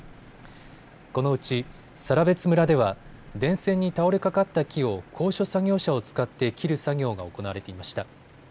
このうち更別村では電線に倒れかかった木を高所作業車を使って切る作業が行われていました。